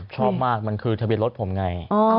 ชอบมากมันคือทะเบียนรถผมไง